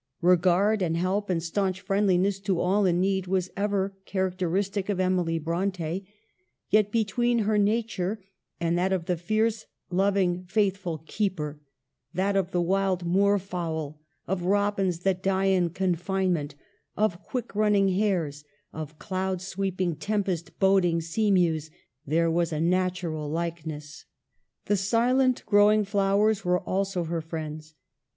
Regard and help and stanch friendliness to all in need was ever char acteristic of Emily Bronte ; yet between her nature and that of the fierce, loving, faithful Keeper, that of the wild moor fowl, of robins that die in confinement, of quick running hares, of cloud sweeping, tempest boding sea mews, there was a natural likeness. The silent growing flowers were also her friends.